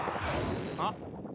あっ？